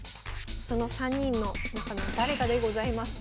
その３人の中の誰かでございます。